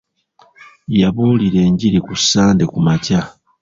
Yabuulira enjiri ku Sande kumakya.